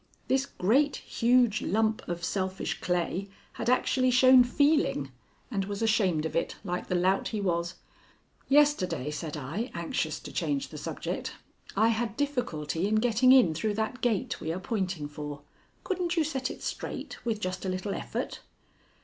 This great, huge lump of selfish clay had actually shown feeling and was ashamed of it, like the lout he was. "Yesterday," said I, anxious to change the subject, "I had difficulty in getting in through that gate we are pointing for. Couldn't you set it straight, with just a little effort?"